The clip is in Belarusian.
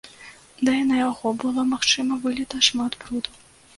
Да і на яго было, магчыма, выліта шмат бруду.